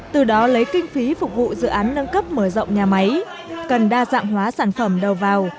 từ đó lấy kinh phí phục vụ dự án nâng cấp mở rộng nhà máy cần đa dạng hóa sản phẩm đầu vào